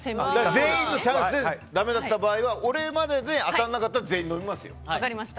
全員にチャンスでだめだった場合は俺までで当たらなかったら全員飲みますよ。